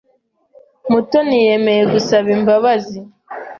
Mutoni yemeye gusaba imbabazi.